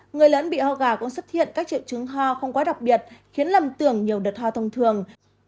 người lẫn bị ho gà cũng xuất hiện các triệu chứng ho không quá đặc biệt khiến lầm tưởng nhiều đợt ho thông thường